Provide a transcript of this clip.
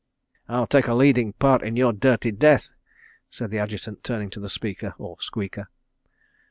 "I'll take a leading part in your dirty death," said the Adjutant, turning to the speaker, or squeaker.